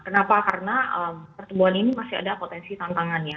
kenapa karena pertumbuhan ini masih ada potensi tantangannya